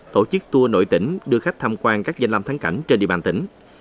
tổ chức tour nội tỉnh đưa khách tham quan các danh lâm tháng cảnh trên địa bàn tỉnh